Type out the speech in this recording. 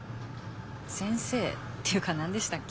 先生？っていうか何でしたっけ？